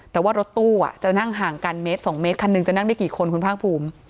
แต่ว่ารถตู้จะนั่งห่างกันเมตร๒เมตรคันหนึ่งจะนั่งได้กี่คนคุณภาคภูมิ